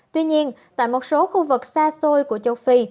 tuy nhiên tại một số khu vực xa xôi của châu phi